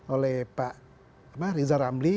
oleh pak riza ramli